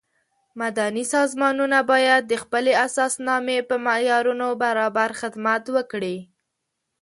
مدني سازمانونه باید د خپلې اساسنامې په معیارونو برابر خدمت وکړي.